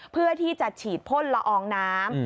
เพื่อที่จะฉีดพ่นละอองน้ำ